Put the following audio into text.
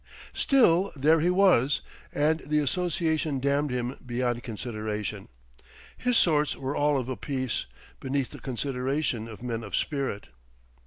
Still, there he was: and the association damned him beyond consideration. His sorts were all of a piece, beneath the consideration of men of spirit....